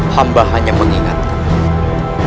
hamba hanya mengingatkan